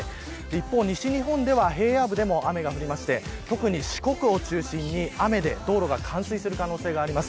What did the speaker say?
一方、西日本では平野部でも雨が降りまして特に、四国を中心に、雨で道路が冠水する可能性があります。